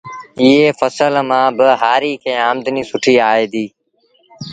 ايئي ڦسل مآݩ با هآريٚ کي آمدنيٚ سُٺيٚ آئي ديٚ